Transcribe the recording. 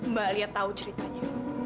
mbak alia tau ceritanya